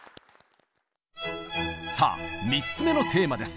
さあ３つ目のテーマです！